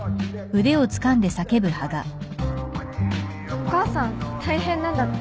お母さん大変なんだって？